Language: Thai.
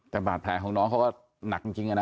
แต่บาดแผลของน้องเขาก็หนักจริงนะ